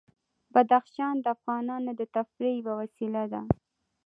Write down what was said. بدخشان د افغانانو د تفریح یوه وسیله ده.